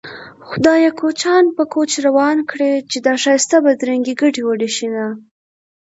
خدايه کوچيان په کوچ روان کړې چې دا ښايسته بدرنګې ګډې وډې شينه